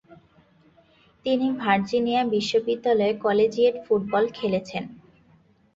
তিনি ভার্জিনিয়া বিশ্ববিদ্যালয়ে collegiate football খেলেছেন।